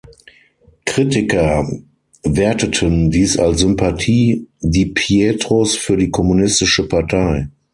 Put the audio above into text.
Kritiker werteten dies als Sympathie Di Pietros für die kommunistische Partei.